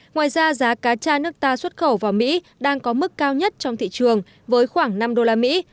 ngoài ra giá cá cha nước ta xuất khẩu vào mỹ đang có mức cao nhất trong thị trường với khoảng năm đô la mỹ